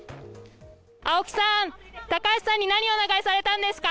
青木さん、高橋さんに何をお願いされたんですか？